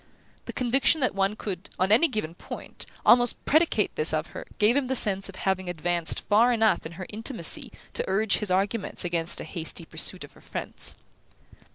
The conviction that one could, on any given point, almost predicate this of her, gave him the sense of having advanced far enough in her intimacy to urge his arguments against a hasty pursuit of her friends.